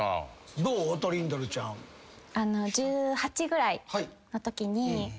１８ぐらいのときに。